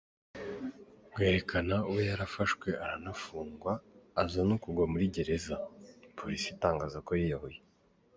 Rwerekana we yarafashwe aranafungwa aza no kugwa muri gereza, Polisi itangaza ko yiyahuye.